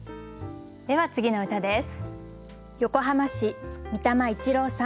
では次の歌です。